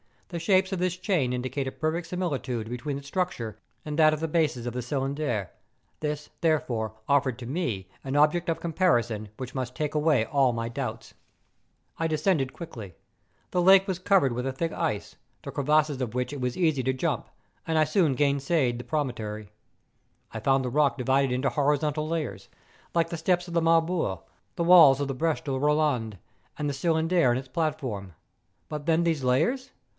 The shapes of this chain indicate a perfect similitude between its structure and that of the bases of the Cylindre: this, therefore, offered to me an object of comparison which must take away all m}'' doubts. I descended quickly. The lake was covered with a thick ice, the crevasses of which it was easy to jump ; and I soon gained the promontory. I found the rock divided into horizontal layers, like the steps of the Marbore, the walls of the Breche de Boland, and the Cylindre and its platform. But then these layers?